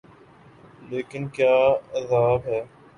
لیکن کیا غضب ہے۔